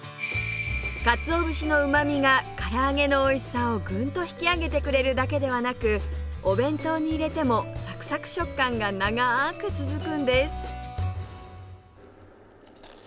かつお節のうまみがから揚げのおいしさをグンと引き上げてくれるだけではなくお弁当に入れてもサクサク食感が長く続くんです